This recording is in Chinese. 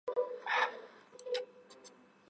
治所在溢乐县。